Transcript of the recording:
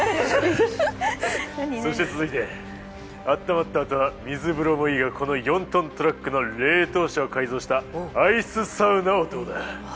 そして続いてあったまったあとは水風呂もいいがこの４ｔトラックの冷凍車を改造したアイスサウナはどうだ。